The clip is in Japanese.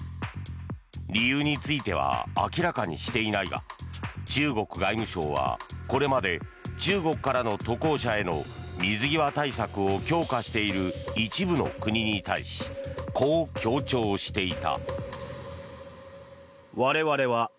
理由については明らかにしていないが中国外務省はこれまで中国からの渡航者への水際対策を強化している一部の国に対しこう強調していた。